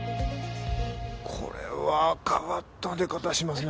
これは変わった出方しますね。